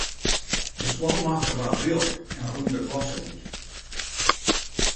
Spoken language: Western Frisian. De skoalmaster waard lilk en rûn de klasse út.